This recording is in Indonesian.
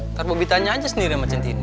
ntar bobi tanya aja sendiri sama centini